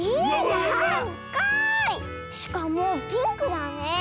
しかもピンクだねえ。